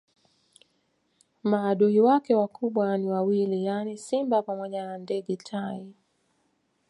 Maadui wake wakubwa ni wawili yaani simba pamoja na ndege tai